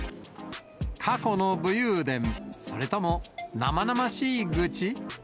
過去の武勇伝、それとも生々しい愚痴。